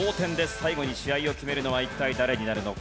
最後に試合を決めるのは一体誰になるのか？